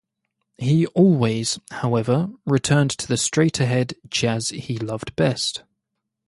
He always, however, returned to the straight-ahead jazz he loved best.